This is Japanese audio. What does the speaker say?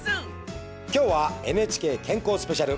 きょうはＮＨＫ健康スペシャル。